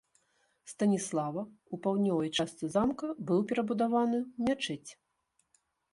Станіслава ў паўднёвай частцы замка быў перабудаваны ў мячэць.